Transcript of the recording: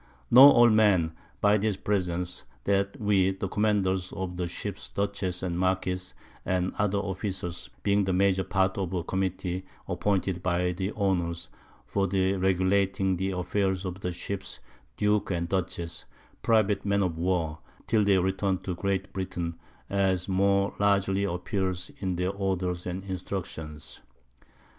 Know all Men, by these Presents, That We, the Commanders of the Ships Dutchess and Marquiss, _and other Officers, being the major Part of a Committee appointed by the Owners, for the regulating the Affairs of the Ships_ Duke and Dutchess, private Men of War, till their Return to Great Britain, _as more largely appears in their Orders and Instructions.